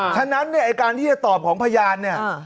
ฉะนั้นเนี่ยไอ้การที่จะตอบของพยานเนี่ย